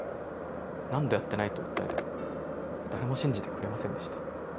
何度やってないと訴えても誰も信じてくれませんでした。